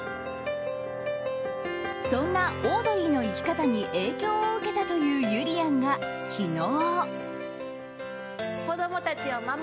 そんなオードリーの生き方に影響を受けたというゆりやんが昨日。